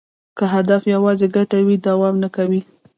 که هدف یوازې ګټه وي، دوام نه کوي.